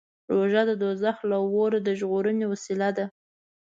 روژه د دوزخ له اوره د ژغورنې وسیله ده.